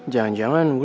jangan jangan gue nangis